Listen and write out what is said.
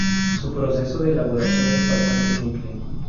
Su proceso de elaboración es bastante simple.